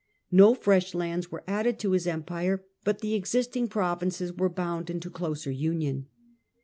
No fresh lands were added to his Empire, but the existing pro vinces were bound into closer union.